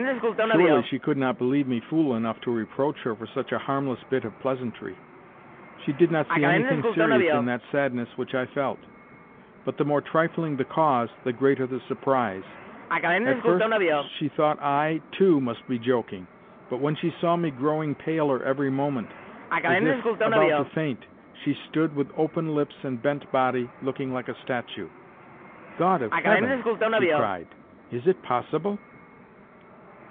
Surely she could not believe me fool enough to reproach her for such a harmless bit of pleasantry; she did not see anything serious in that sadness which I felt; but the more trifling the cause, the greater the surprise. At first she thought I, too, must be joking; but when she saw me growing paler every moment, as though about to faint, she stood with open lips and bent body, looking like a statue. "God of Heaven!" she cried, "is it possible?"